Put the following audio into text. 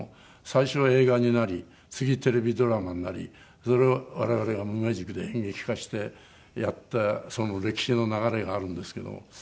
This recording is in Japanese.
最初は映画になり次テレビドラマになりそれを我々が無名塾で演劇化してやったその歴史の流れがあるんですけど。